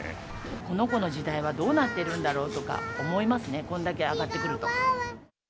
この子の時代はどうなってるんだろうとか思いますね、こんだけ上がってくると。